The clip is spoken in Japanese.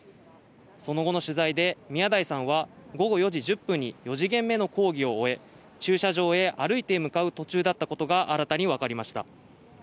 その後の取材で宮台さんは午後４時１０分に４時限目の講義を終え駐車場へ歩いて向かう途中だったことが新たに分かりました。